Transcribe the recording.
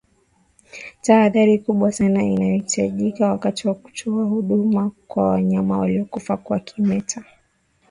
Tahadhari kubwa sana inahitajika wakati wa kutoa huduma kwa wanyama waliokufa kwa kimeta